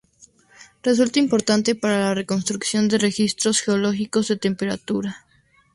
Resulta importante para la reconstrucción de registros geológicos de temperatura.